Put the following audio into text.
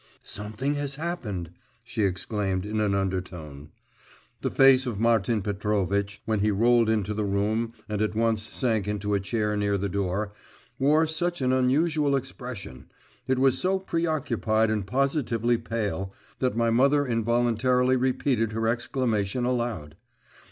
'Something has happened!' she exclaimed in an undertone. The face of Martin Petrovitch, when he rolled into the room and at once sank into a chair near the door, wore such an unusual expression, it was so preoccupied and positively pale, that my mother involuntarily repeated her exclamation aloud.